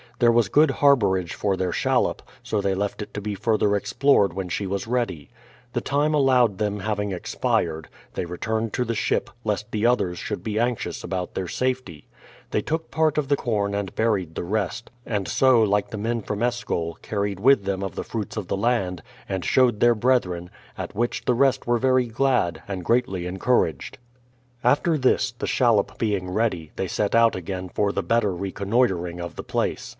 There was good harbourage for their shallop, so they left it to be further explored when she was ready. The time allowed them having expired, they returned to the ship, lest the others should be anxious about their safety. They took part of the corn and buried the rest; and so, like the men from Eschol, carried with them of the fruits of the land, THE PLYMOUTH SETTLEMENT 69 and showed their brethren ; at which the rest were very glad, and greatly encouraged. After tliis, the shallop being ready, they set out again for the better reconnoitering of the place.